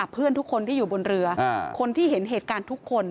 เพื่อนทุกคนที่อยู่บนเรือคนที่เห็นเหตุการณ์ทุกคน